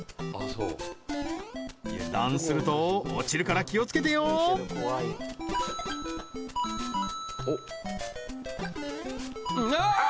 そう油断すると落ちるから気をつけてよおっああー！